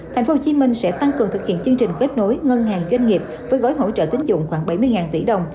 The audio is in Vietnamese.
tp hcm sẽ tăng cường thực hiện chương trình kết nối ngân hàng doanh nghiệp với gói hỗ trợ tín dụng khoảng bảy mươi tỷ đồng